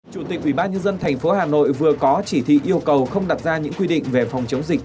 chủ tịch ubnd tp hà nội vừa có chỉ thị yêu cầu không đặt ra những quy định về phòng chống dịch